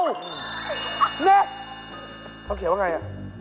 อ๊าคราวเหรอวะไง